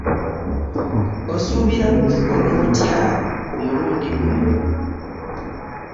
Osuubira kukikola otya ku mulundi guno?